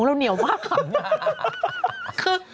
เราเหนียวมากค่ะ